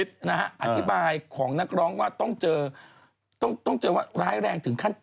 อธิบายของนักร้องว่าต้องเจอต้องเจอว่าร้ายแรงถึงขั้น